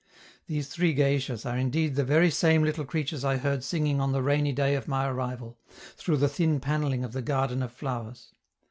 These three geishas are indeed the very same little creatures I heard singing on the rainy day of my arrival, through the thin panelling of the Garden of Flowers.